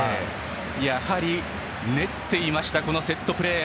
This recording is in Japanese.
やはり練っていましたセットプレー。